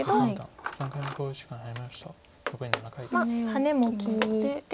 ハネも利いて。